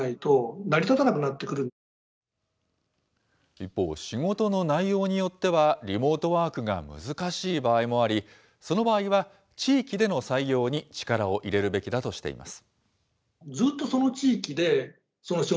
一方、仕事の内容によっては、リモートワークが難しい場合もあり、その場合は地域での採用に力を入れるべきだとしています。